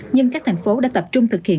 nhưng các thành phố đã tập trung thực hiện